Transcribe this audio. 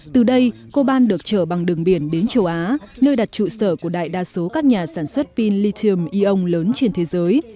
từ đây coban được chở bằng đường biển đến châu á nơi đặt trụ sở của đại đa số các nhà sản xuất pin lithium eon lớn trên thế giới